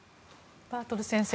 バートル先生